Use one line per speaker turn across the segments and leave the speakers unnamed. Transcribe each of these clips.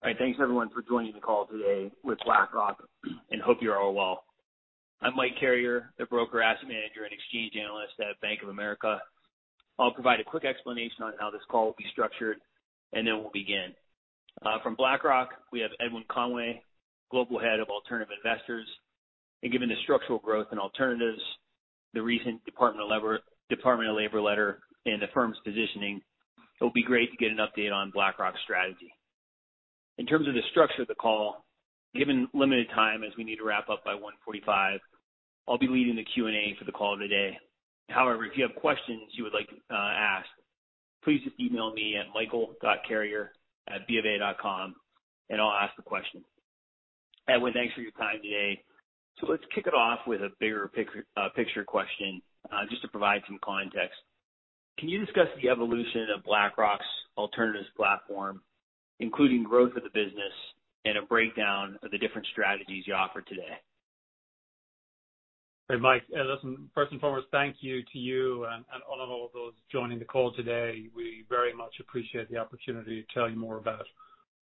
All right. Thanks everyone for joining the call today with BlackRock. Hope you are all well. I'm Mike Carrier, the brokers, asset managers, and exchanges analyst at Bank of America. I'll provide a quick explanation on how this call will be structured, and then we'll begin. From BlackRock, we have Edwin Conway, Global Head of Alternative Investors. Given the structural growth in alternatives, the recent Department of Labor letter, and the firm's positioning, it'll be great to get an update on BlackRock's strategy. In terms of the structure of the call, given limited time as we need to wrap up by 1:45 P.M., I'll be leading the Q&A for the call today. However, if you have questions you would like to ask, please just email me at michael.carrier@bofa.com and I'll ask the question. Edwin, thanks for your time today. Let's kick it off with a bigger picture question, just to provide some context. Can you discuss the evolution of BlackRock's alternatives platform, including growth of the business and a breakdown of the different strategies you offer today?
Hey, Mike. Listen, first and foremost, thank you to you and all of those joining the call today. We very much appreciate the opportunity to tell you more about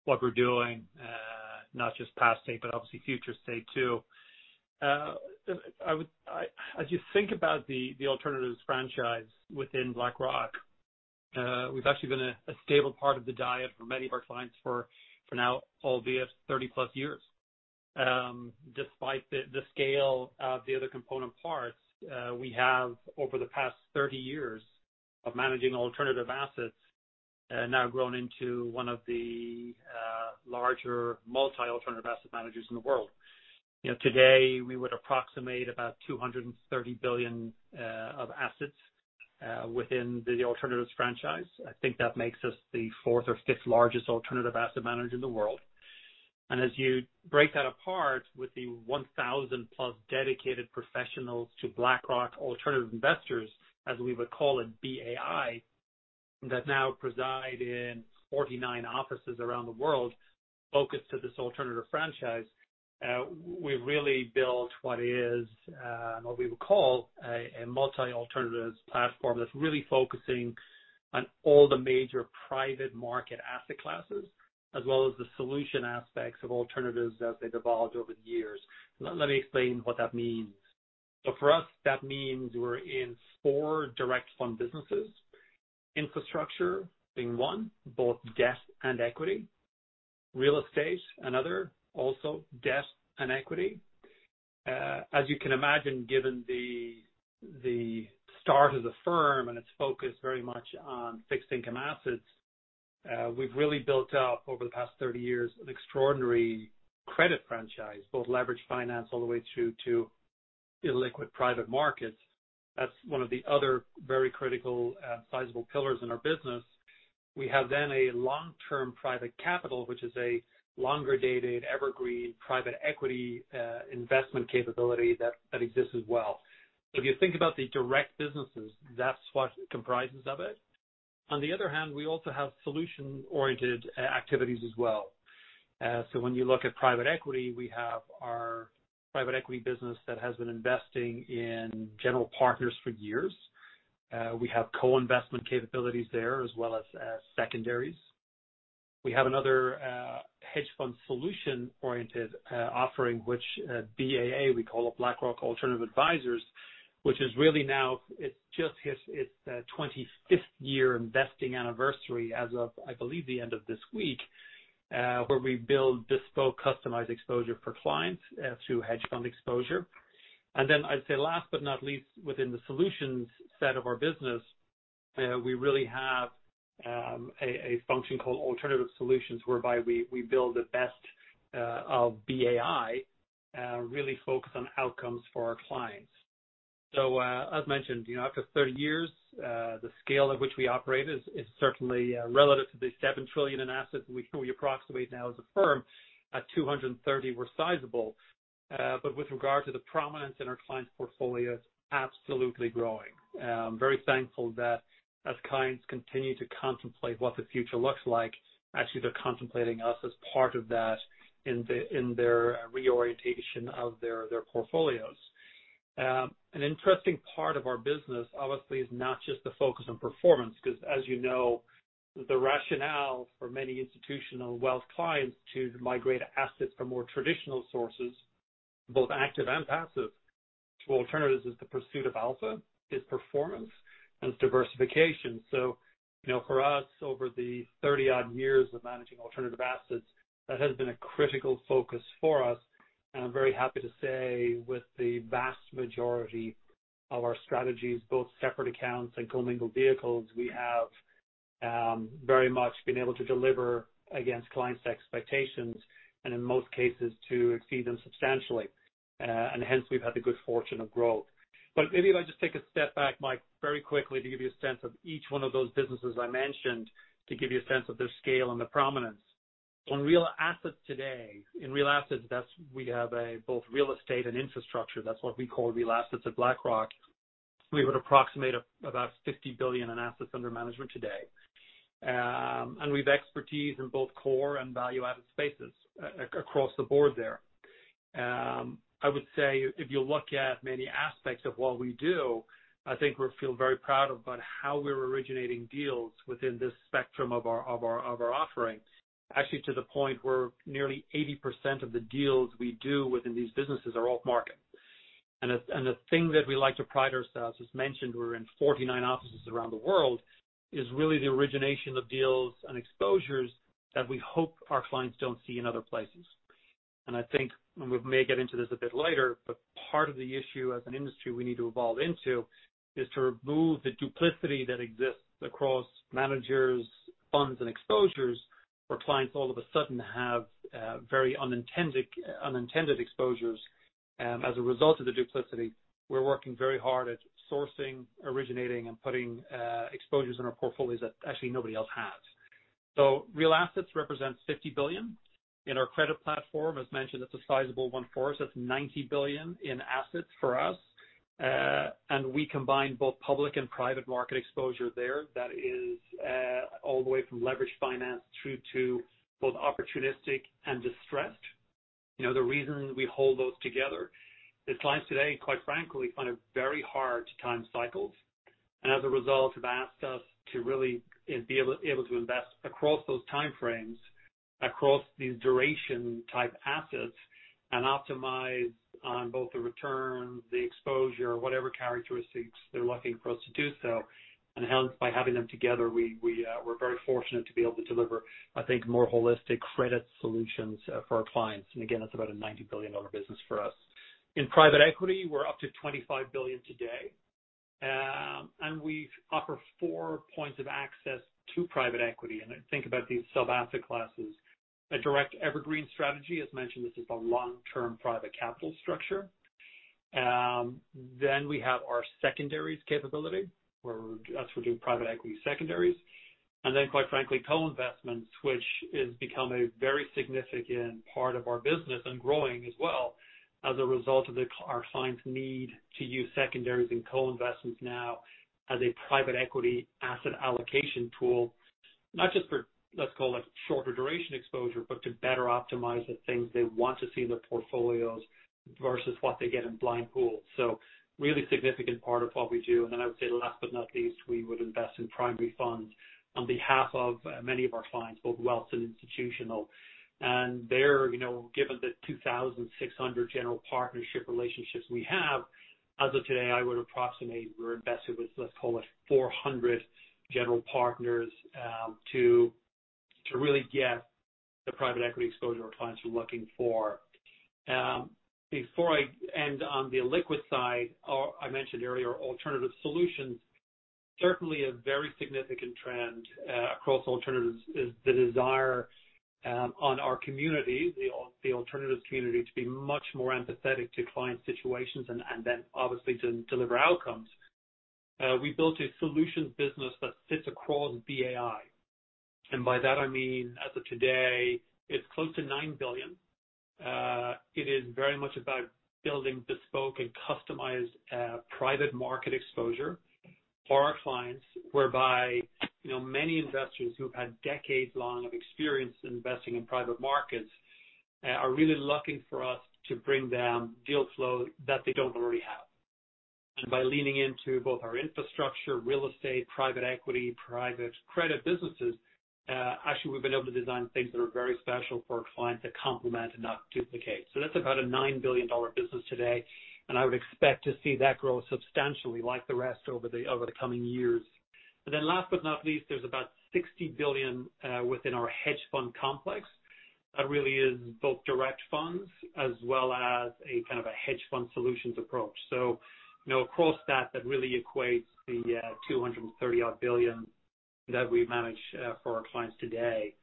what we're doing, not just past state, but obviously future state too. As you think about the alternatives franchise within BlackRock, we've actually been a stable part of the diet for many of our clients for now, albeit 30+ years. Despite the scale of the other component parts, we have over the past 30 years of managing alternative assets, now grown into one of the larger multi-alternative asset managers in the world. Today, we would approximate about $230 billion of assets within the alternatives franchise. I think that makes us the fourth or fifth largest alternative asset manager in the world. As you break that apart with the 1,000+ dedicated professionals to BlackRock Alternative Investors, as we would call it, BAI, that now preside in 49 offices around the world focused to this alternative franchise. We've really built what we would call a multi-alternatives platform that's really focusing on all the major private market asset classes, as well as the solution aspects of alternatives as they've evolved over the years. Let me explain what that means. For us, that means we're in four direct fund businesses. Infrastructure being one, both debt and equity. Real estate, another, also debt and equity. As you can imagine, given the start of the firm and its focus very much on fixed income assets, we've really built up, over the past 30 years, an extraordinary credit franchise, both leveraged finance all the way through to illiquid private markets. That's one of the other very critical sizable pillars in our business. We have a Long Term Private Capital, which is a longer-dated, evergreen private equity investment capability that exists as well. If you think about the direct businesses, that's what comprises of it. On the other hand, we also have solution-oriented activities as well. When you look at private equity, we have our private equity business that has been investing in general partners for years. We have co-investment capabilities there as well as secondaries. We have another hedge fund solution-oriented offering, which BAA, we call it BlackRock Alternative Advisors, which is really now it just hit its 25th year investing anniversary as of, I believe, the end of this week, where we build bespoke customized exposure for clients through hedge fund exposure. I'd say last but not least, within the solutions set of our business, we really have a function called alternative solutions, whereby we build the best of BAI, really focused on outcomes for our clients. As mentioned, after 30 years, the scale at which we operate is certainly relative to the $7 trillion in assets we approximate now as a firm. At 230, we're sizable. With regard to the prominence in our clients' portfolios, absolutely growing. Very thankful that as clients continue to contemplate what the future looks like, actually, they're contemplating us as part of that in their re-orientation of their portfolios. An interesting part of our business, obviously, is not just the focus on performance, because as you know, the rationale for many institutional wealth clients to migrate assets from more traditional sources, both active and passive, to alternatives is the pursuit of alpha, is performance, and it's diversification. For us, over the 30-odd years of managing alternative assets, that has been a critical focus for us. I'm very happy to say, with the vast majority of our strategies, both separate accounts and commingled vehicles, we have very much been able to deliver against clients' expectations and in most cases, to exceed them substantially. Hence, we've had the good fortune of growth. Maybe if I just take a step back, Mike, very quickly, to give you a sense of each one of those businesses I mentioned, to give you a sense of their scale and the prominence. On real assets today, in real assets, we have both real estate and infrastructure. That's what we call real assets at BlackRock. We would approximate about $50 billion in assets under management today. We've expertise in both core and value-added spaces across the board there. I would say if you look at many aspects of what we do, I think we feel very proud about how we're originating deals within this spectrum of our offerings. Actually, to the point where nearly 80% of the deals we do within these businesses are off-market. The thing that we like to pride ourselves, as mentioned, we're in 49 offices around the world, is really the origination of deals and exposures that we hope our clients don't see in other places. I think, and we may get into this a bit later, but part of the issue as an industry we need to evolve into is to remove the duplicity that exists across managers, funds, and exposures, where clients all of a sudden have very unintended exposures. As a result of the duplicity, we're working very hard at sourcing, originating, and putting exposures in our portfolios that actually nobody else has. Real assets represent $50 billion in our credit platform. As mentioned, that's a sizable one for us. That's $90 billion in assets for us. We combine both public and private market exposure there. That is all the way from leveraged finance through to both opportunistic and distressed. The reason we hold those together is clients today, quite frankly, find it very hard to time cycles, and as a result, have asked us to really be able to invest across those time frames, across these duration type assets, and optimize on both the return, the exposure, whatever characteristics they're looking for us to do so. Hence, by having them together, we're very fortunate to be able to deliver, I think, more holistic credit solutions for our clients. Again, that's about a $90 billion business for us. In private equity, we're up to $25 billion today. We offer four points of access to private equity. Think about these sub-asset classes. A direct evergreen strategy, as mentioned, this is a long-term private capital structure. We have our secondaries capability, where us, we're doing private equity secondaries. Quite frankly, co-investments, which has become a very significant part of our business and growing as well, as a result of our clients' need to use secondaries and co-investments now as a private equity asset allocation tool. Not just for, let's call it, shorter duration exposure, but to better optimize the things they want to see in their portfolios versus what they get in blind pool. Really significant part of what we do. I would say last but not least, we would invest in primary funds on behalf of many of our clients, both wealth and institutional. There, given the 2,600 general partnership relationships we have, as of today, I would approximate we're invested with, let's call it, 400 general partners, to really get the private equity exposure our clients are looking for. Before I end on the illiquid side, I mentioned earlier alternative solutions. Certainly a very significant trend across alternatives is the desire on our community, the alternatives community, to be much more empathetic to client situations, then obviously to deliver outcomes. We built a solutions business that sits across BAI. By that I mean, as of today, it's close to $9 billion. It is very much about building bespoke and customized private market exposure for our clients, whereby many investors who've had decades long of experience investing in private markets are really looking for us to bring them deal flow that they don't already have. By leaning into both our infrastructure, real estate, private equity, private credit businesses, actually, we've been able to design things that are very special for our clients that complement and not duplicate. That's about a $9 billion business today, and I would expect to see that grow substantially like the rest over the coming years. Last but not least, there's about $60 billion within our hedge fund complex. That really is both direct funds as well as a kind of a hedge fund solutions approach. Across that really equates the $230 odd billion that we manage for our clients today.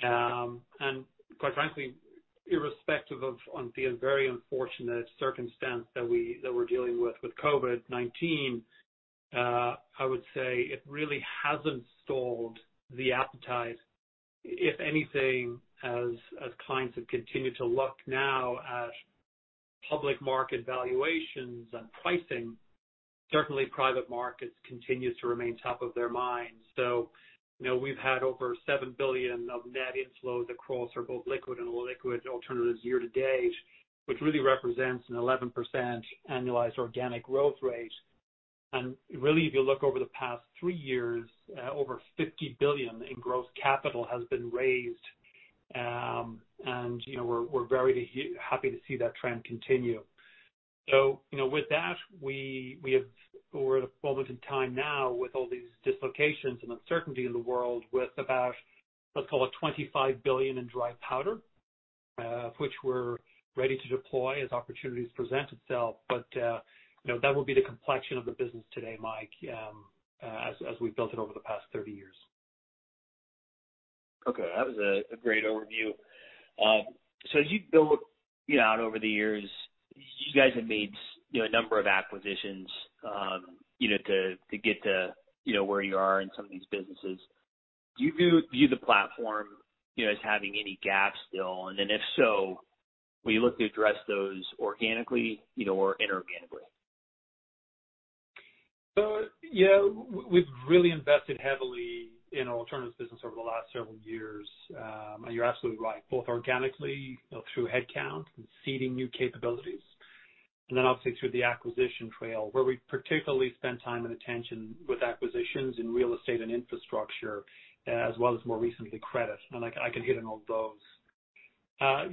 Quite frankly, irrespective of the very unfortunate circumstance that we're dealing with COVID-19, I would say it really hasn't stalled the appetite. If anything, as clients have continued to look now at public market valuations and pricing, certainly private markets continues to remain top of their minds. We've had over $7 billion of net inflows across our both liquid and illiquid alternatives year-to-date, which really represents an 11% annualized organic growth rate. Really, if you look over the past three years, over $50 billion in gross capital has been raised. With that, we're at a moment in time now with all these dislocations and uncertainty in the world with about, let's call it, $25 billion in dry powder, which we're ready to deploy as opportunities present itself. That would be the complexion of the business today, Mike, as we've built it over the past 30 years.
Okay. That was a great overview. As you've built out over the years, you guys have made a number of acquisitions to get to where you are in some of these businesses. Do you view the platform as having any gaps still? If so, will you look to address those organically or inorganically?
Yeah. We've really invested heavily in our alternatives business over the last several years. You're absolutely right, both organically through headcount and seeding new capabilities, and then obviously through the acquisition trail, where we particularly spend time and attention with acquisitions in real estate and infrastructure, as well as more recently, credit. I can hit on all those.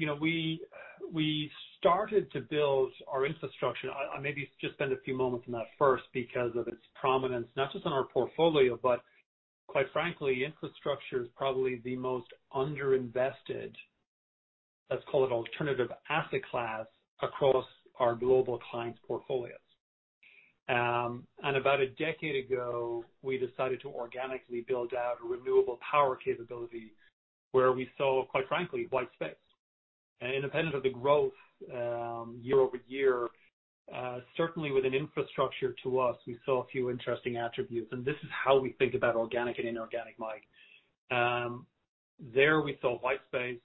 We started to build our infrastructure. I maybe just spend a few moments on that first because of its prominence, not just on our portfolio, but quite frankly, infrastructure is probably the most under-invested, let's call it alternative asset class, across our global clients' portfolios. About a decade ago, we decided to organically build out renewable power capability where we saw, quite frankly, white space. Independent of the growth year-over-year, certainly with an infrastructure to us, we saw a few interesting attributes, and this is how we think about organic and inorganic, Mike. There we saw white space.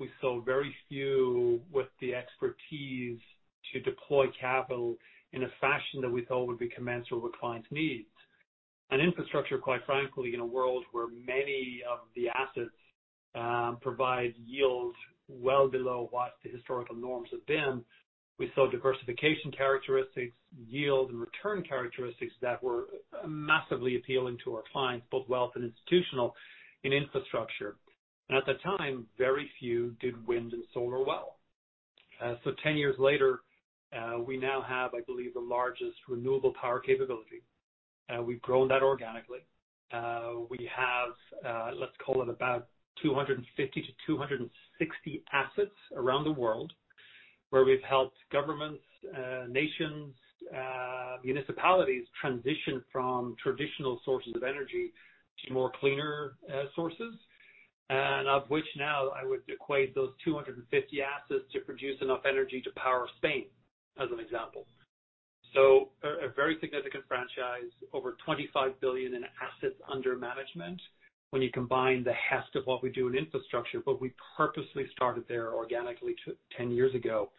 We saw very few with the expertise to deploy capital in a fashion that we thought would be commensurate with clients' needs. Infrastructure, quite frankly, in a world where many of the assets provide yield well below what the historical norms have been, we saw diversification characteristics, yield and return characteristics that were massively appealing to our clients, both wealth and institutional, in infrastructure. At the time, very few did wind and solar well. 10 years later, we now have, I believe, the largest renewable power capability. We've grown that organically. We have, let's call it about 250-260 assets around the world where we've helped governments, nations, municipalities transition from traditional sources of energy to more cleaner sources. Of which now I would equate those 250 assets to produce enough energy to power Spain, as an example. A very significant franchise, over $25 billion in assets under management when you combine the heft of what we do in infrastructure. We purposely started there organically 10 years ago.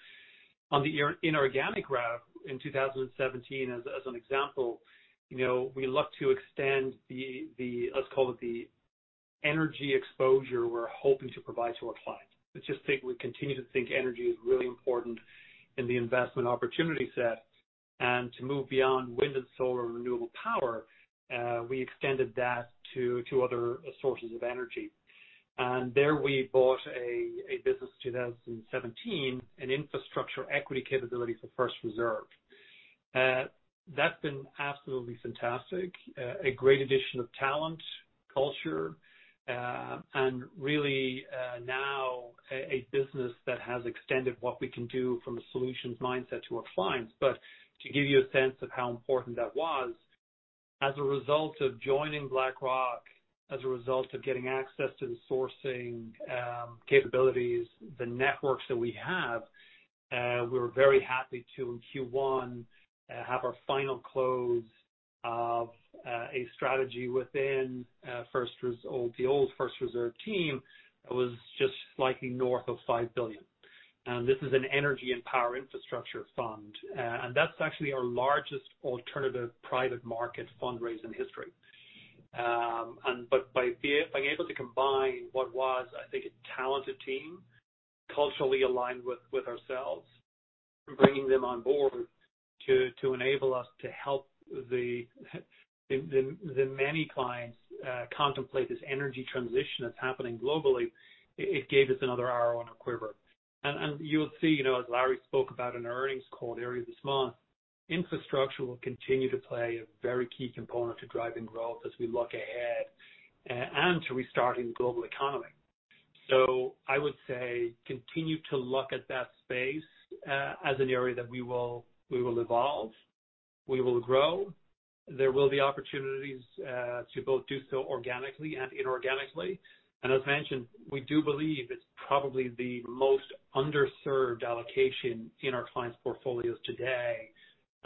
On the inorganic route in 2017, as an example, we look to extend the, let's call it the energy exposure we're hoping to provide to our clients, which is I think we continue to think energy is really important in the investment opportunity set. To move beyond wind and solar renewable power, we extended that to other sources of energy. There we bought a business in 2017, an infrastructure equity capability for First Reserve. That's been absolutely fantastic. A great addition of talent, culture, and really, now a business that has extended what we can do from a solutions mindset to our clients. To give you a sense of how important that was, as a result of joining BlackRock, as a result of getting access to the sourcing capabilities, the networks that we have, we're very happy to, in Q1, have our final close of a strategy within the old First Reserve team that was just slightly north of $5 billion. This is an energy and power infrastructure fund. That's actually our largest alternative private market fundraise in history. By being able to combine what was, I think, a talented team, culturally aligned with ourselves, and bringing them on board to enable us to help the many clients contemplate this energy transition that's happening globally, it gave us another arrow in our quiver. You'll see, as Larry spoke about in the earnings call earlier this month, infrastructure will continue to play a very key component to driving growth as we look ahead and to restarting the global economy. I would say continue to look at that space, as an area that we will evolve, we will grow. There will be opportunities to both do so organically and inorganically. As mentioned, we do believe it's probably the most underserved allocation in our clients' portfolios today.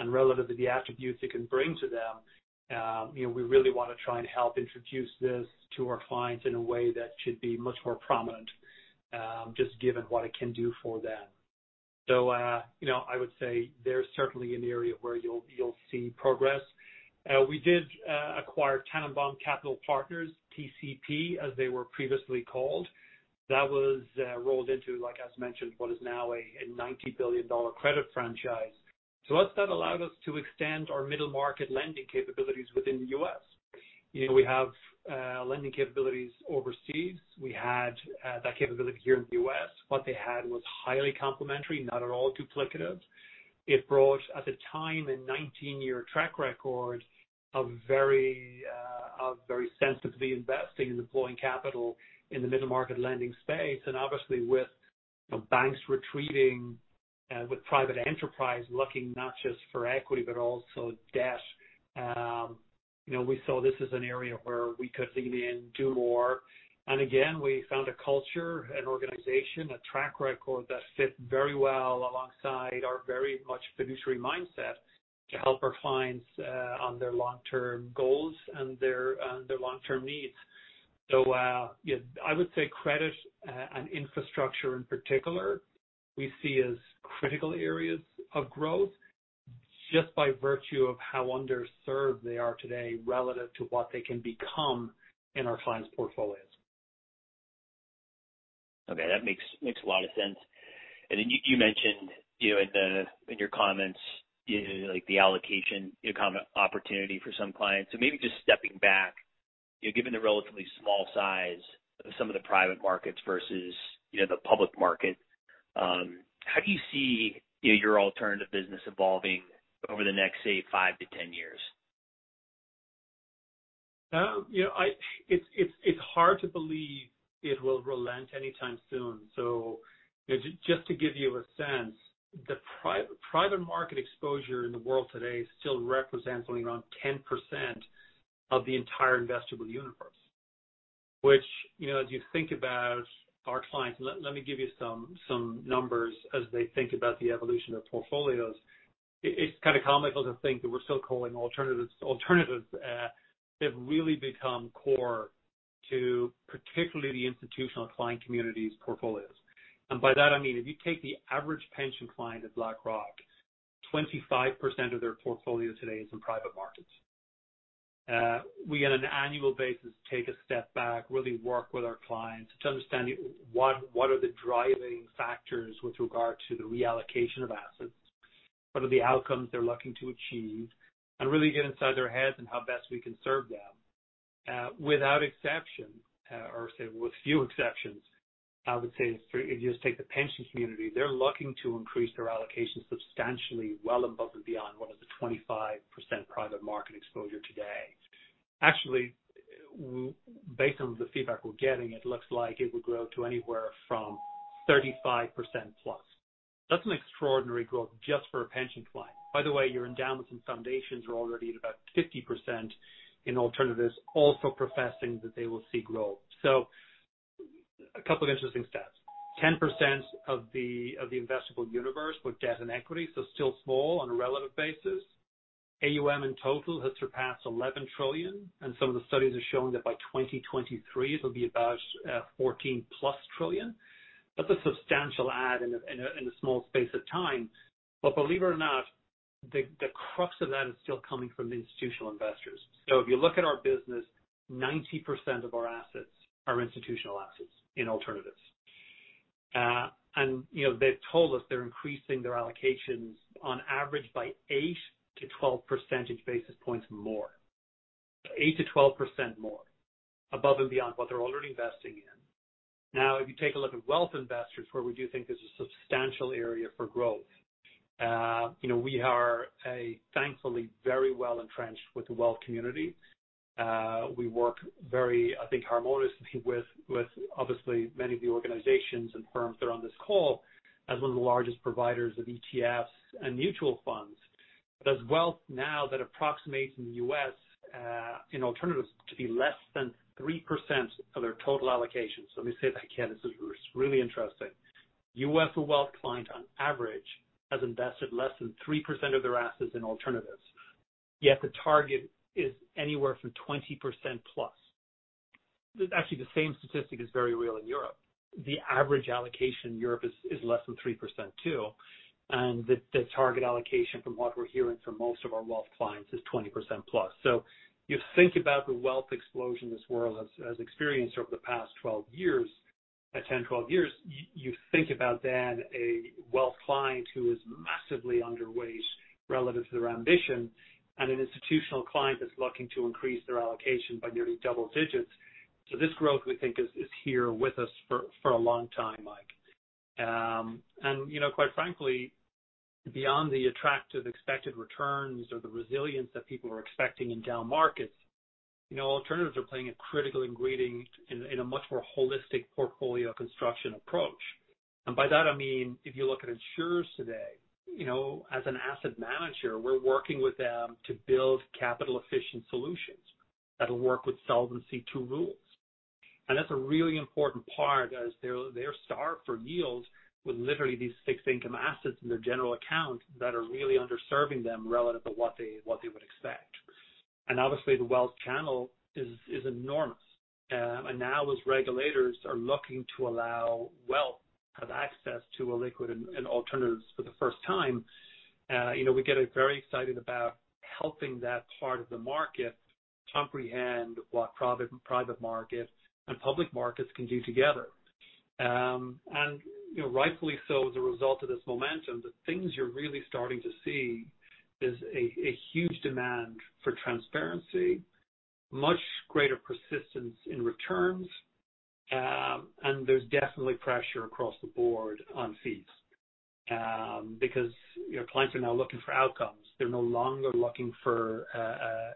Relative to the attributes it can bring to them, we really want to try and help introduce this to our clients in a way that should be much more prominent, just given what it can do for them. I would say there's certainly an area where you'll see progress. We did acquire Tennenbaum Capital Partners, TCP, as they were previously called. That was rolled into, like as mentioned, what is now a $90 billion credit franchise. That allowed us to extend our middle market lending capabilities within the U.S. We have lending capabilities overseas. We had that capability here in the U.S. What they had was highly complementary, not at all duplicative. It brought, at the time, a 19-year track record of very sensitively investing and deploying capital in the middle market lending space. Obviously with banks retreating, with private enterprise looking not just for equity, but also debt, we saw this as an area where we could lean in, do more. Again, we found a culture, an organization, a track record that fit very well alongside our very much fiduciary mindset to help our clients, on their long-term goals and their long-term needs. I would say credit, and infrastructure in particular, we see as critical areas of growth just by virtue of how underserved they are today relative to what they can become in our clients' portfolios.
Okay. That makes a lot of sense. You mentioned in your comments, the allocation opportunity for some clients. Maybe just stepping back, given the relatively small size of some of the private markets versus the public market, how do you see your Alternative Investors evolving over the next, say, five to 10 years?
It's hard to believe it will relent anytime soon. Just to give you a sense, the private market exposure in the world today still represents only around 10% of the entire investable universe. Which, as you think about our clients, let me give you some numbers as they think about the evolution of portfolios. It's kind of comical to think that we're still calling alternatives. They've really become core to particularly the institutional client community's portfolios. By that I mean, if you take the average pension client at BlackRock, 25% of their portfolio today is in private markets. We, on an annual basis, take a step back, really work with our clients to understand what are the driving factors with regard to the reallocation of assets, what are the outcomes they're looking to achieve, and really get inside their heads on how best we can serve them. Without exception, or say with few exceptions, I would say if you just take the pension community, they're looking to increase their allocation substantially, well above and beyond what is a 25% private market exposure today. Actually, based on the feedback we're getting, it looks like it would grow to anywhere from 35%+. That's an extraordinary growth just for a pension client. By the way, your endowments and foundations are already at about 50% in alternatives, also professing that they will see growth. A couple of interesting stats. 10% of the investable universe with debt and equity, so still small on a relative basis. AUM in total has surpassed $11 trillion, and some of the studies are showing that by 2023 it'll be about $14+ trillion. That's a substantial add in a small space of time. Believe it or not, the crux of that is still coming from institutional investors. If you look at our business, 90% of our assets are institutional assets in alternatives. They've told us they're increasing their allocations on average by 8-12 percentage basis points more. 8-12% more above and beyond what they're already investing in. If you take a look at wealth investors, where we do think there's a substantial area for growth. We are thankfully very well-entrenched with the wealth community. We work very, I think, harmoniously with obviously many of the organizations and firms that are on this call as one of the largest providers of ETFs and mutual funds. There's wealth now that approximates in the U.S. in alternatives to be less than 3% of their total allocation. Let me say that again. This is really interesting. U.S. wealth client on average has invested less than 3% of their assets in alternatives, yet the target is anywhere from 20%+. The same statistic is very real in Europe. The average allocation in Europe is less than 3%, too, and the target allocation from what we're hearing from most of our wealth clients is 20%+. You think about the wealth explosion this world has experienced over the past 12 years, that 10, 12 years. You think about a wealth client who is massively underweight relative to their ambition, and an institutional client that's looking to increase their allocation by nearly double-digits. This growth, we think is here with us for a long time, Mike. Quite frankly, beyond the attractive expected returns or the resilience that people are expecting in down markets, alternatives are playing a critical ingredient in a much more holistic portfolio construction approach. By that I mean if you look at insurers today, as an asset manager, we're working with them to build capital-efficient solutions that'll work with Solvency II rules. That's a really important part, as they're starved for yields with literally these fixed income assets in their general account that are really underserving them relative to what they would expect. Obviously, the wealth channel is enormous. Now as regulators are looking to allow wealth have access to illiquid and alternatives for the first time, we're getting very excited about helping that part of the market comprehend what private markets and public markets can do together. Rightfully so, as a result of this momentum, the things you're really starting to see is a huge demand for transparency, much greater persistence in returns, and there's definitely pressure across the board on fees. Clients are now looking for outcomes. They're no longer looking for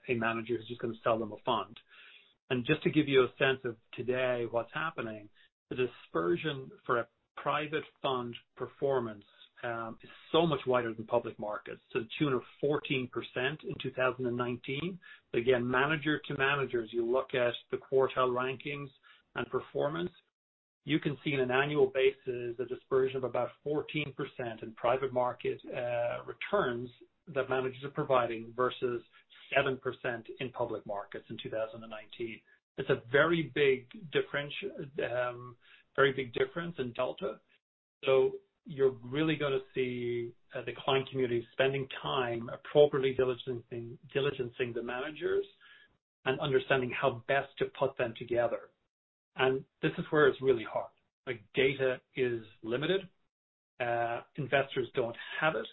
a manager who's just going to sell them a fund. Just to give you a sense of today what's happening, the dispersion for a private fund performance is so much wider than public markets. To the tune of 14% in 2019. Manager to managers, you look at the quartile rankings and performance. You can see in an annual basis a dispersion of about 14% in private market returns that managers are providing versus 7% in public markets in 2019. It's a very big difference in delta. You're really going to see the client community spending time appropriately diligencing the managers and understanding how best to put them together. This is where it's really hard. Data is limited. Investors don't have it,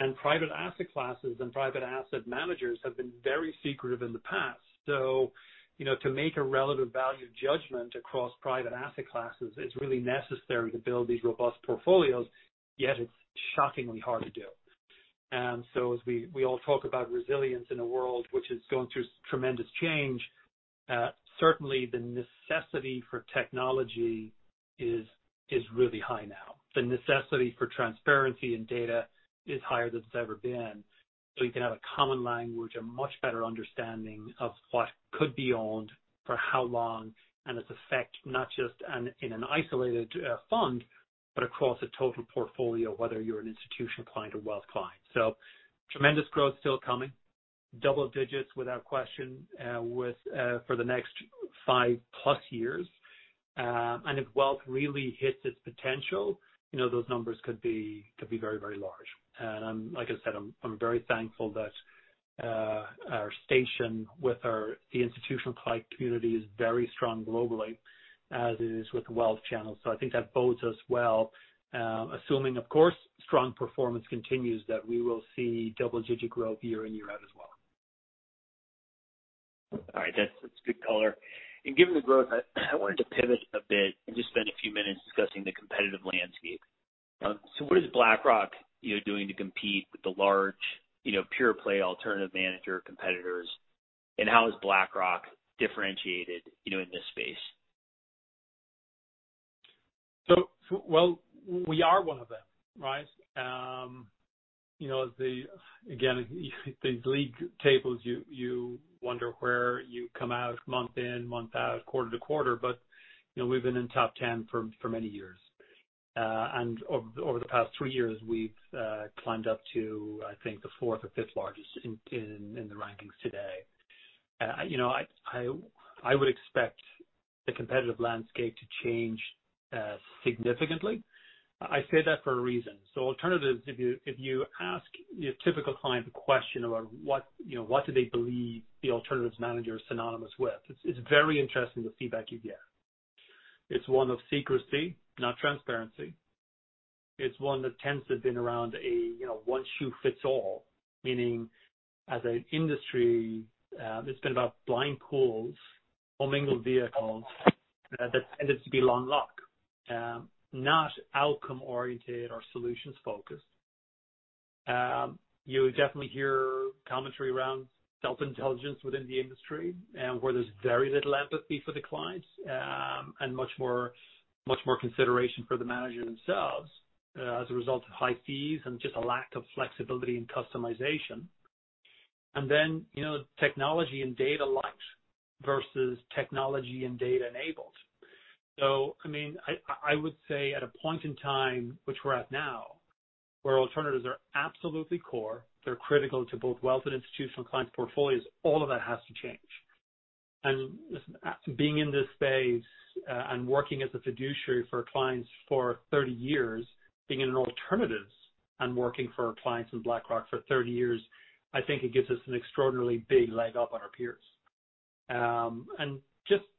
and private asset classes and private asset managers have been very secretive in the past. To make a relative value judgment across private asset classes, it's really necessary to build these robust portfolios, yet it's shockingly hard to do. As we all talk about resilience in a world which is going through tremendous change, certainly the necessity for technology is really high now. The necessity for transparency in data is higher than it's ever been. You can have a common language, a much better understanding of what could be owned, for how long, and its effect, not just in an isolated fund, but across a total portfolio, whether you're an institutional client or wealth client. Tremendous growth still coming, double-digits without question, for the next five-plus years. If wealth really hits its potential, those numbers could be very large. Like I said, I'm very thankful that our station with the institutional client community is very strong globally, as is with the wealth channel. I think that bodes us well, assuming, of course, strong performance continues, that we will see double-digit growth year in, year out as well.
All right. That's good color. Given the growth, I wanted to pivot a bit and just spend a few minutes discussing the competitive landscape. What is BlackRock doing to compete with the large, pure play alternative manager competitors, and how is BlackRock differentiated in this space?
Well, we are one of them, right? Again, these league tables, you wonder where you come out month in, month out, quarter-to-quarter, but we've been in top 10 for many years. Over the past three years, we've climbed up to, I think, the fourth or fifth largest in the rankings today. I would expect the competitive landscape to change significantly. I say that for a reason. Alternatives, if you ask your typical client the question about what do they believe the alternatives manager is synonymous with, it's very interesting the feedback you get. It's one of secrecy, not transparency. It's one that tends to have been around a one shoe fits all, meaning as an industry, it's been about blind pools, commingled vehicles that tended to be long lock, not outcome-oriented or solutions focused. You would definitely hear commentary around self-interest within the industry, and where there's very little empathy for the clients, and much more consideration for the manager themselves as a result of high fees and just a lack of flexibility and customization. Then technology and data light versus technology and data enabled. I would say at a point in time which we're at now, where alternatives are absolutely core, they're critical to both wealth and institutional clients' portfolios, all of that has to change. Being in this space and working as a fiduciary for clients for 30 years, being in alternatives and working for clients in BlackRock for 30 years, I think it gives us an extraordinarily big leg up on our peers.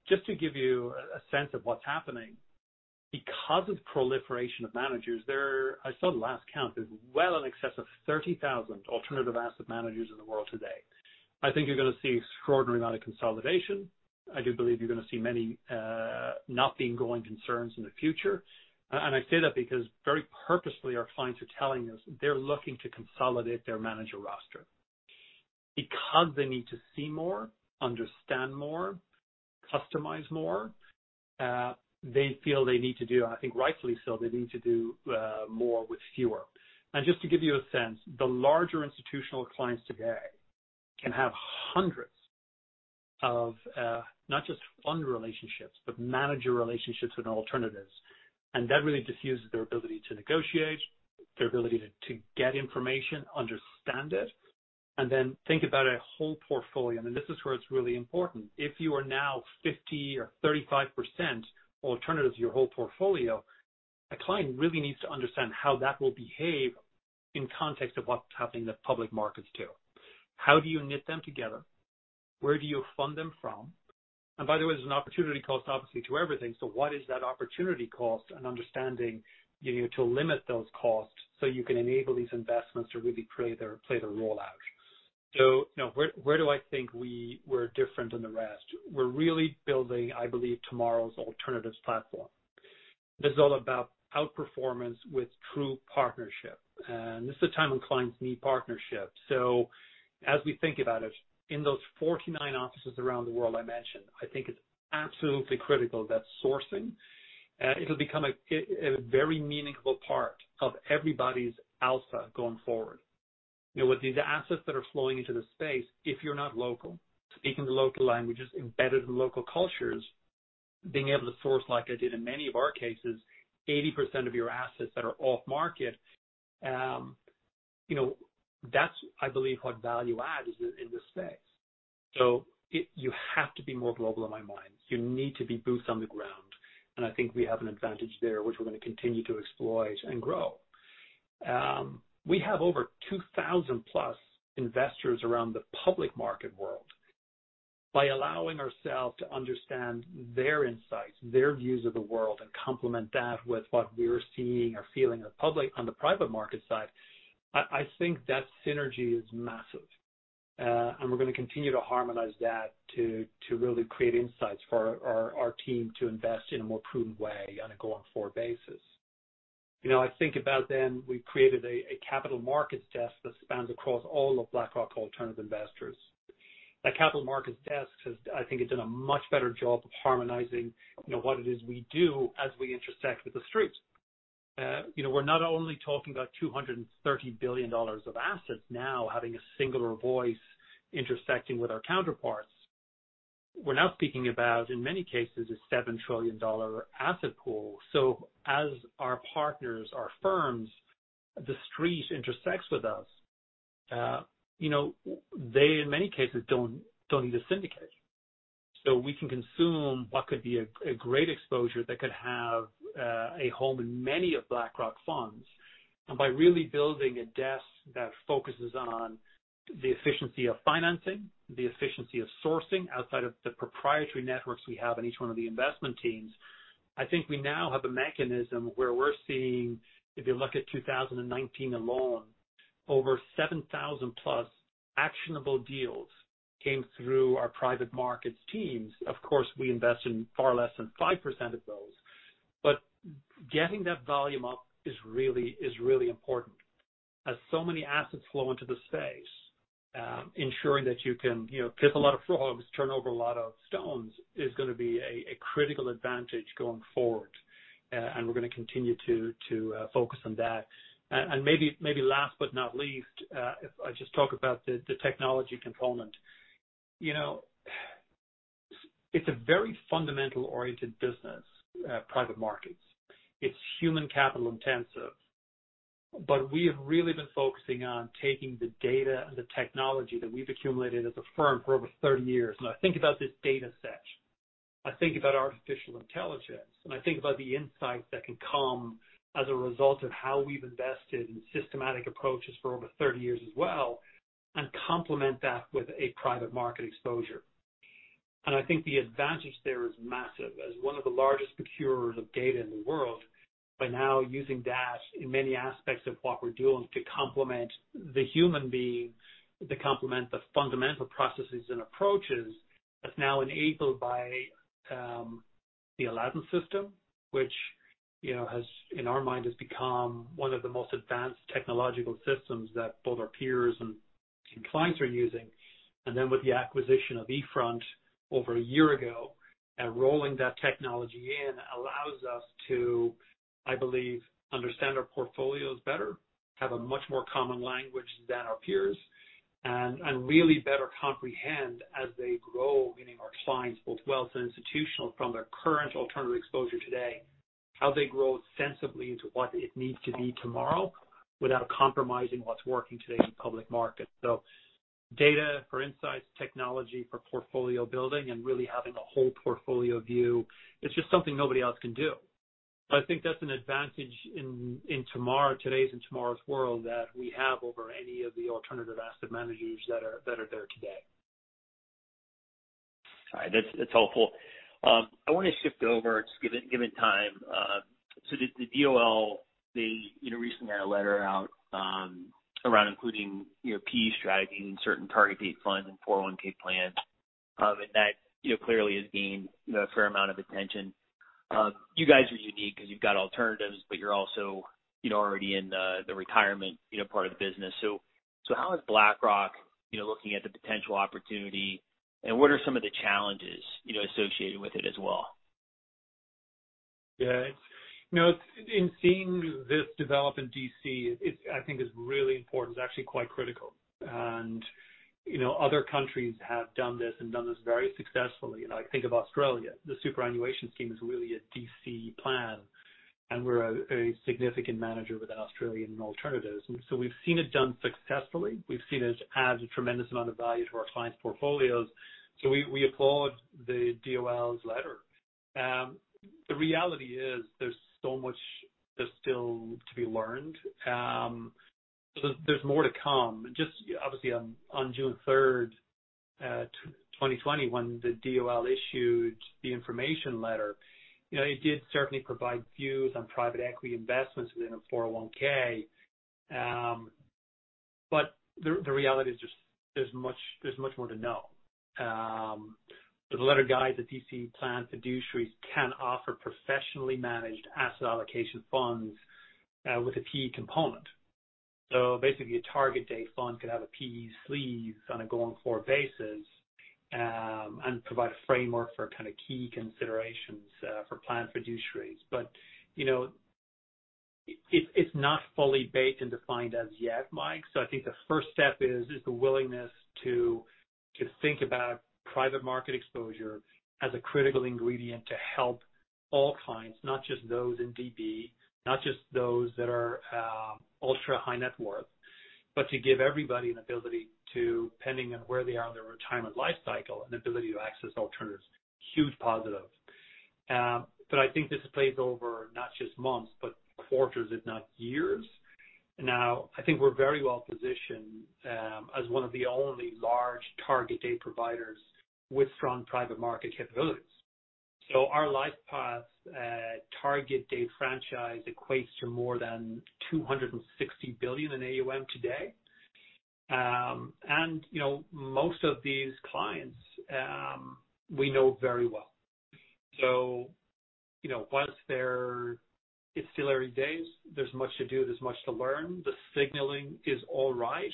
Just to give you a sense of what's happening, because of proliferation of managers, I saw the last count as well in excess of 30,000 alternative asset managers in the world today. I think you're going to see an extraordinary amount of consolidation. I do believe you're going to see many not being going concerns in the future. I say that because very purposefully, our clients are telling us they're looking to consolidate their manager roster. They need to see more, understand more, customize more, they feel they need to do, and I think rightfully so, they need to do more with fewer. Just to give you a sense, the larger institutional clients today can have hundreds of, not just fund relationships, but manager relationships with alternatives. That really diffuses their ability to negotiate, their ability to get information, understand it, and then think about a whole portfolio. This is where it's really important. If you are now 50% or 35% alternatives to your whole portfolio, a client really needs to understand how that will behave in context of what's happening in the public markets too. How do you knit them together? Where do you fund them from? By the way, there's an opportunity cost, obviously, to everything. What is that opportunity cost and understanding to limit those costs so you can enable these investments to really play their role out. Where do I think we're different than the rest? We're really building, I believe, tomorrow's alternatives platform. This is all about outperformance with true partnership. This is a time when clients need partnership. As we think about it, in those 49 offices around the world I mentioned, I think it's absolutely critical that sourcing, it'll become a very meaningful part of everybody's alpha going forward. With these assets that are flowing into the space, if you're not local, speaking the local languages, embedded in local cultures, being able to source, like I did in many of our cases, 80% of your assets that are off market, that's, I believe, what value add is in this space. You have to be more global in my mind. You need to be boots on the ground, and I think we have an advantage there, which we're going to continue to exploit and grow. We have over 2,000-plus investors around the public market world. By allowing ourselves to understand their insights, their views of the world, and complement that with what we're seeing or feeling on the private market side, I think that synergy is massive. We're going to continue to harmonize that to really create insights for our team to invest in a more prudent way on a going-forward basis. I think about then we created a capital markets desk that spans across all of BlackRock Alternative Investors. That capital markets desk has, I think, done a much better job of harmonizing what it is we do as we intersect with The Street. We're not only talking about $230 billion of assets now having a singular voice intersecting with our counterparts. We're now speaking about, in many cases, a $7 trillion asset pool. As our partners, our firms, The Street intersects with us. They, in many cases, don't need to syndicate. We can consume what could be a great exposure that could have a home in many of BlackRock funds. By really building a desk that focuses on the efficiency of financing, the efficiency of sourcing outside of the proprietary networks we have in each one of the investment teams, I think we now have a mechanism where we're seeing, if you look at 2019 alone, over 7,000+ actionable deals came through our private markets teams. Of course, we invest in far less than 5% of those, but getting that volume up is really important. As so many assets flow into the space, ensuring that you can kiss a lot of frogs, turn over a lot of stones, is going to be a critical advantage going forward, and we're going to continue to focus on that. Maybe last but not least, if I just talk about the technology component. It's a very fundamental-oriented business, private markets. It's human capital intensive. We have really been focusing on taking the data and the technology that we've accumulated as a firm for over 30 years. I think about this data set, I think about artificial intelligence, and I think about the insights that can come as a result of how we've invested in systematic approaches for over 30 years as well, and complement that with a private market exposure. I think the advantage there is massive. As one of the largest procurers of data in the world, by now using that in many aspects of what we're doing to complement the human beings, to complement the fundamental processes and approaches, that's now enabled by the Aladdin system. Which in our mind, has become one of the most advanced technological systems that both our peers and clients are using. With the acquisition of eFront over a year ago, and rolling that technology in allows us to, I believe, understand our portfolios better, have a much more common language than our peers, and really better comprehend as they grow, meaning our clients, both wealth and institutional, from their current alternative exposure today, how they grow sensibly into what it needs to be tomorrow without compromising what's working today in public markets. Data for insights, technology for portfolio building, and really having a whole portfolio view, it's just something nobody else can do. I think that's an advantage in today's and tomorrow's world that we have over any of the alternative asset managers that are there today.
All right. That's helpful. I want to shift over, given time. The DOL, they recently had a letter out around including PE strategies in certain target date funds and 401 plans. That clearly has gained a fair amount of attention. You guys are unique because you've got alternatives, but you're also already in the retirement part of the business. How is BlackRock looking at the potential opportunity, and what are some of the challenges associated with it as well?
In seeing this develop in D.C., I think is really important. It's actually quite critical. Other countries have done this and done this very successfully. I think of Australia, the superannuation scheme is really a DC plan, and we're a significant manager with Australian alternatives. We've seen it done successfully. We've seen it add a tremendous amount of value to our clients' portfolios. We applaud the DOL's letter. The reality is there's so much that's still to be learned. There's more to come. Just obviously on June 3, 2020, when the DOL issued the information letter, it did certainly provide views on private equity investments within a 401(k). The reality is just there's much more to know. The letter guides the DC plan fiduciaries can offer professionally managed asset allocation funds with a PE component. Basically, a target date fund could have a PE sleeve on a going-forward basis. Provide a framework for kind of key considerations for plan fiduciaries. It's not fully baked and defined as yet, Mike. I think the first step is the willingness to think about private market exposure as a critical ingredient to help all clients, not just those in DB, not just those that are ultra-high net worth, but to give everybody an ability to, depending on where they are in their retirement life cycle, an ability to access alternatives. Huge positive. I think this plays over not just months, but quarters, if not years. I think we're very well positioned as one of the only large target date providers with strong private market capabilities. Our LifePath target date franchise equates to more than $260 billion in AUM today. Most of these clients we know very well. It's still early days. There's much to do. There's much to learn. The signaling is all right.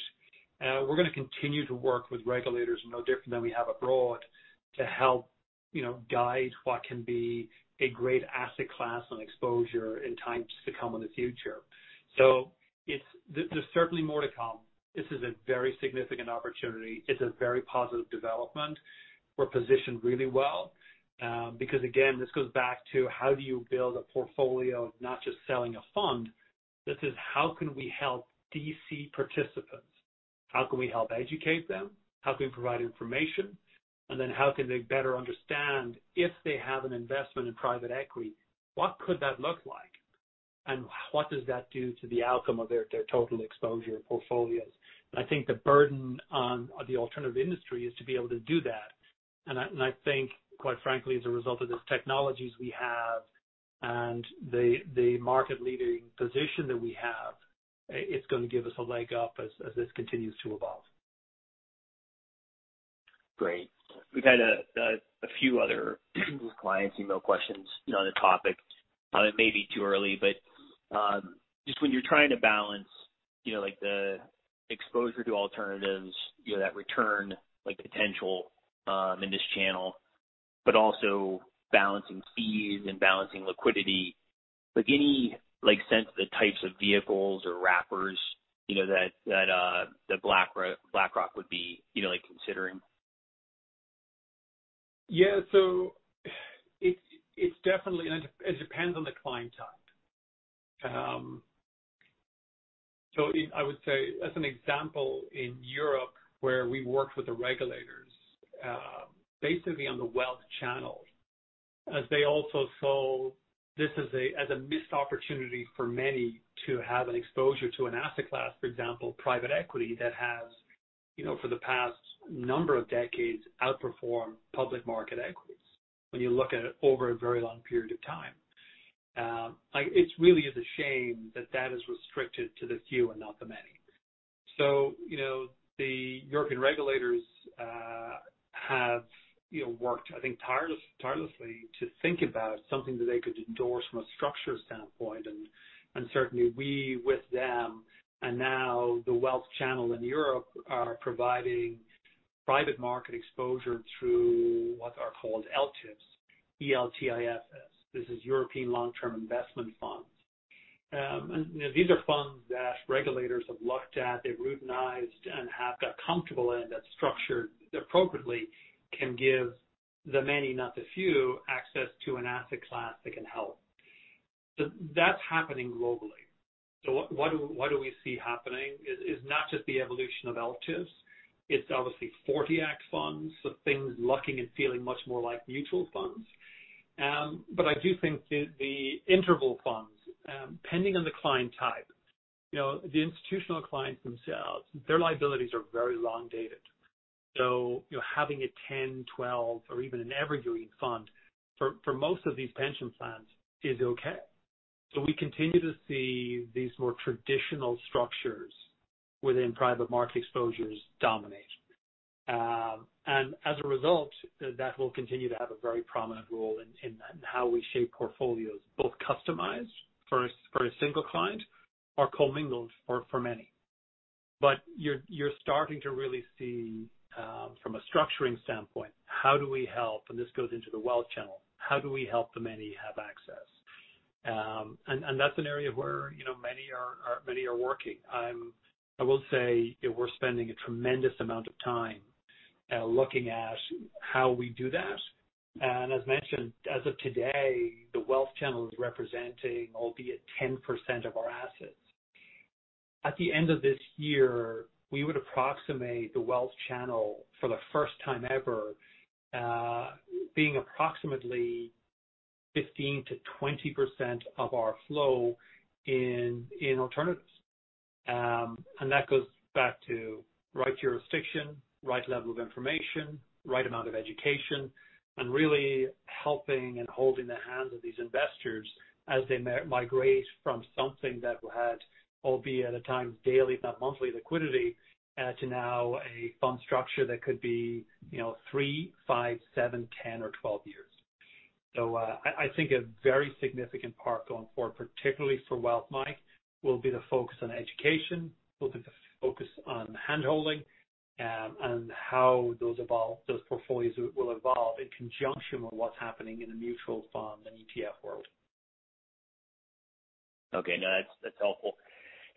We're going to continue to work with regulators, no different than we have abroad, to help guide what can be a great asset class and exposure in times to come in the future. There's certainly more to come. This is a very significant opportunity. It's a very positive development. We're positioned really well because, again, this goes back to how do you build a portfolio of not just selling a fund. This is how can we help DC participants? How can we help educate them? How can we provide information? How can they better understand, if they have an investment in private equity, what could that look like? What does that do to the outcome of their total exposure portfolios? I think the burden on the alternative industry is to be able to do that. I think, quite frankly, as a result of the technologies we have and the market-leading position that we have, it's going to give us a leg up as this continues to evolve.
Great. We've had a few other clients email questions on the topic. It may be too early, but just when you're trying to balance the exposure to alternatives, that return potential in this channel, but also balancing fees and balancing liquidity. Any sense the types of vehicles or wrappers that BlackRock would be considering?
It depends on the client type. I would say, as an example, in Europe, where we worked with the regulators basically on the wealth channel, as they also saw this as a missed opportunity for many to have an exposure to an asset class, for example, private equity, that has, for the past number of decades, outperformed public market equities, when you look at it over a very long period of time. It really is a shame that that is restricted to the few and not the many. The European regulators have worked, I think, tirelessly to think about something that they could endorse from a structure standpoint, and certainly we with them, and now the wealth channel in Europe are providing private market exposure through what are called ELTIFs, E-L-T-I-F-S. This is European Long-Term Investment Funds. These are funds that regulators have looked at, they've routinized and have got comfortable in that structure appropriately can give the many, not the few, access to an asset class that can help. That's happening globally. What do we see happening is not just the evolution of ELTIFs, it's obviously '40 Act funds. Things looking and feeling much more like mutual funds. I do think that the interval funds, depending on the client type, the institutional clients themselves, their liabilities are very long-dated. You're having a 10, 12, or even an evergreen fund for most of these pension plans is okay. We continue to see these more traditional structures within private market exposures dominate. As a result, that will continue to have a very prominent role in how we shape portfolios, both customized for a single client or commingled for many. You're starting to really see, from a structuring standpoint, how do we help, and this goes into the wealth channel, how do we help the many have access? That's an area where many are working. I will say we're spending a tremendous amount of time looking at how we do that. As mentioned, as of today, the wealth channel is representing albeit 10% of our assets. At the end of this year, we would approximate the wealth channel, for the first time ever, being approximately 15%-20% of our flow in alternatives. That goes back to right jurisdiction, right level of information, right amount of education, and really helping and holding the hands of these investors as they migrate from something that had, albeit at a time daily, if not monthly liquidity, to now a fund structure that could be three, five, seven, 10 or 12 years. I think a very significant part going forward, particularly for wealth, Mike, will be the focus on education, will be the focus on handholding, and how those portfolios will evolve in conjunction with what's happening in the mutual fund and ETF world.
Okay. No, that's helpful.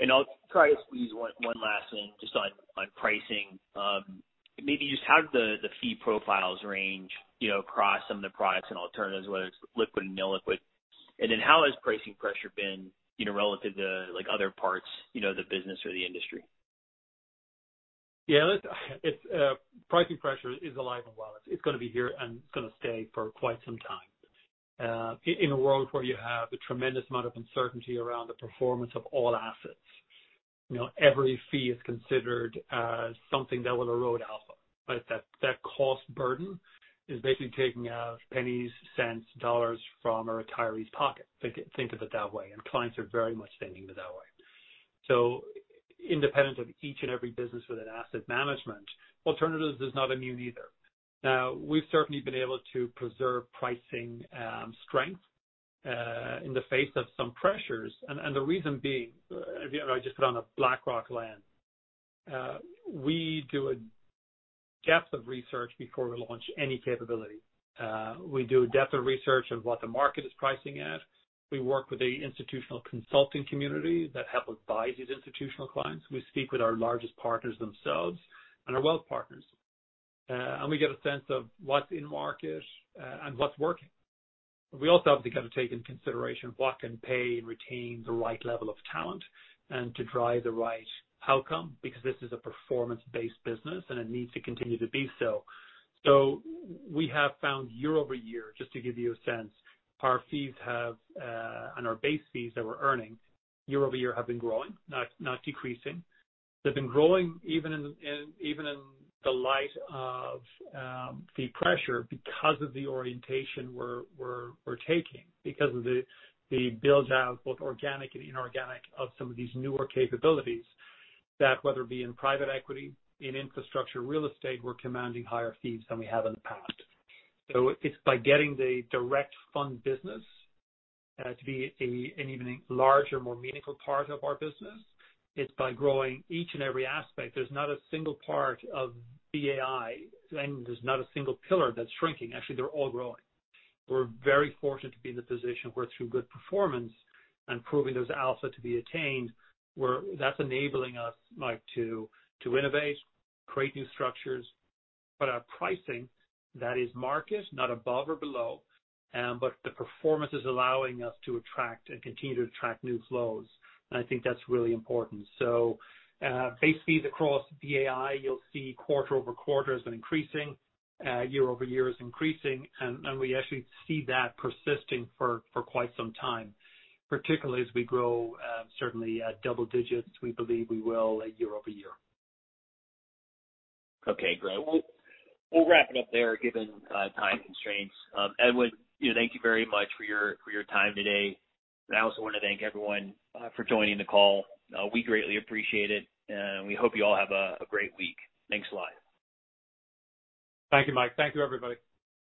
I'll try to squeeze one last thing just on pricing. Maybe just how do the fee profiles range across some of the products and alternatives, whether it's liquid and illiquid? How has pricing pressure been relative to other parts of the business or the industry?
Yeah, listen, pricing pressure is alive and well. It's going to be here, and it's going to stay for quite some time. In a world where you have a tremendous amount of uncertainty around the performance of all assets, every fee is considered something that will erode alpha. That cost burden is basically taking out pennies, cents, dollars from a retiree's pocket. Think of it that way, and clients are very much thinking of it that way. Independent of each and every business within asset management, Alternatives is not immune either. Now, we've certainly been able to preserve pricing strength in the face of some pressures. The reason being, just put on a BlackRock lens, we do a depth of research before we launch any capability. We do a depth of research of what the market is pricing at. We work with the institutional consulting community that help advise these institutional clients. We speak with our largest partners themselves and our wealth partners, and we get a sense of what's in market and what's working. We also have to kind of take into consideration what can pay and retain the right level of talent and to drive the right outcome because this is a performance-based business, and it needs to continue to be so. We have found year-over-year, just to give you a sense, our fees and our base fees that we're earning year-over-year have been growing, not decreasing. They've been growing even in the light of fee pressure because of the orientation we're taking, because of the build-out, both organic and inorganic, of some of these newer capabilities, that whether it be in private equity, in infrastructure, real estate, we're commanding higher fees than we have in the past. It's by getting the direct fund business to be an even larger, more meaningful part of our business. It's by growing each and every aspect. There's not a single part of BAI, and there's not a single pillar that's shrinking. Actually, they're all growing. We're very fortunate to be in the position where through good performance and proving there's alpha to be attained, that's enabling us, Mike, to innovate, create new structures. Our pricing, that is market, not above or below, but the performance is allowing us to attract and continue to attract new flows. I think that's really important. Base fees across BAI, you'll see quarter-over-quarter has been increasing, year-over-year is increasing, and we actually see that persisting for quite some time, particularly as we grow, certainly at double-digits, we believe we will year-over-year.
Okay, great. Well, we'll wrap it up there given time constraints. Edwin, thank you very much for your time today, and I also want to thank everyone for joining the call. We greatly appreciate it, and we hope you all have a great week. Thanks a lot.
Thank you, Mike. Thank you, everybody.